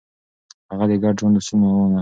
هغه د ګډ ژوند اصول ومنل.